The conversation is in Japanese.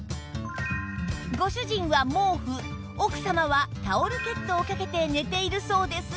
ご主人は毛布奥様はタオルケットをかけて寝ているそうですが